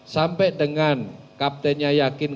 sampai dengan kaptennya yakin